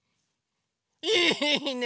いいね！